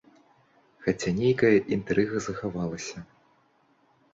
Хаця нейкая інтрыга захавалася.